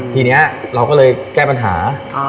ทีนี้เราก็เลยแก้ปัญหา